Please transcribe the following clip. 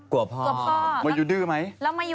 พ่อมายูดื้อไหม